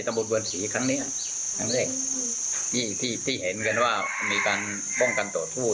ตรงบรรษีครั้งนี้ที่เห็นกันว่ามีการป้องกันต่อทู้